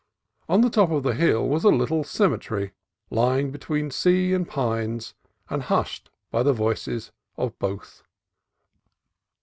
On the top of the hill was a little cemetery, lying between sea and pines and hushed by the voices of both.